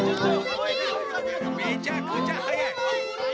めちゃくちゃはやい！